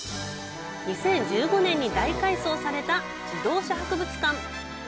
２０１５年に大改装された自動車博物館。